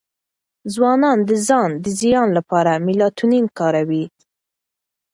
ځوانان د ځان د زیان لپاره میلاټونین کاروي.